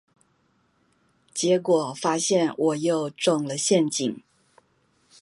結果發現我又中了陷阱